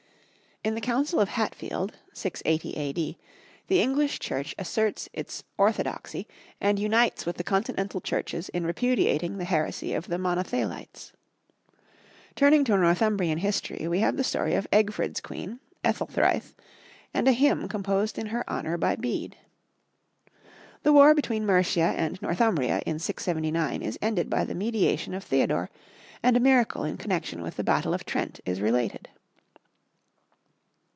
In the Council of Hatfield (680 A.D.) the English Church asserts its orthodoxy and unites with the continental Churches in repudiating the heresy of the Monothelites. Turning to Northumbrian history, we have the story of Egfrid's queen, Ethelthryth, and a hymn composed in her honour by Bede. The war between Mercia and Northumbria in 679 is ended by the mediation of Theodore, and a miracle in connection with the battle of the Trent is related.